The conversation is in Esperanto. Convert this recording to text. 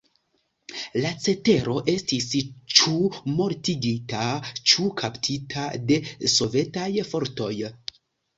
La cetero estis ĉu mortigita ĉu kaptita de sovetaj fortoj.